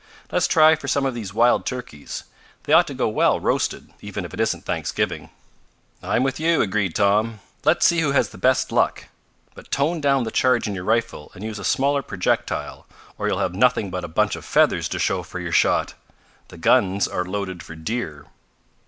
"Let's try for some of these wild turkeys. They ought to go well roasted even if it isn't Thanksgiving." "I'm with you," agreed Tom. "Let's see who has the best luck. But tone down the charge in your rifle and use a smaller projectile, or you'll have nothing but a bunch of feathers to show for your shot. The guns are loaded for deer."